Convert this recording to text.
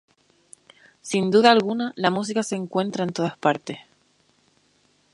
Sin duda alguna, la música se encuentra en todas partes.